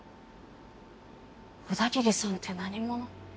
小田桐さんって何者？